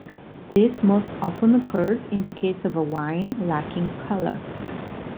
This most often occurred in the case of a wine lacking color.